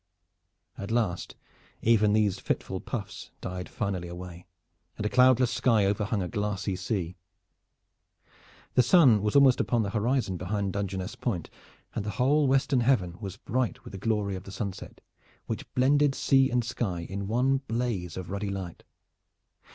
At last even these fitful puffs died finally away, and a cloudless sky overhung a glassy sea. The sun was almost upon the horizon behind Dungeness Point, and the whole western heaven was bright with the glory of the sunset, which blended sea and sky in one blaze of ruddy light.